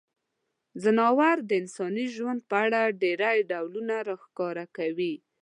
ځناور د انساني ژوند په اړه ډیری ډولونه راښکاره کوي.